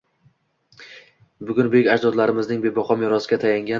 Bugun buyuk ajdodlarimizning bebaho merosiga tayangan